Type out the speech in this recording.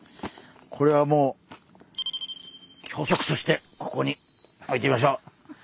これはもう脇息としてここに置いてみましょう。